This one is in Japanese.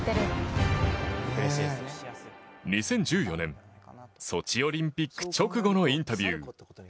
２０１４年ソチオリンピック直後のインタビュー。